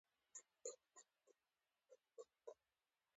خو ګردجنه او له غبار څخه ډکه فاصله يې په منځ کې وه.